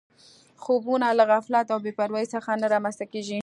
خوبونه له غفلت او بې پروایۍ څخه نه رامنځته کېږي